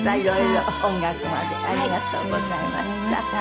色々音楽までありがとうございました。